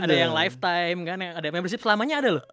ada yang lifetime membership selamanya ada loh